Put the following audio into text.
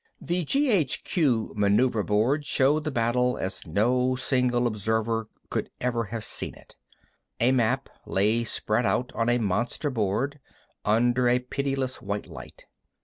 The G.H.Q. maneuver board showed the battle as no single observer could ever have seen it. A map lay spread out on a monster board, under a pitiless white light.